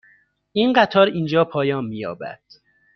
این قطار اینجا پایان می یابد.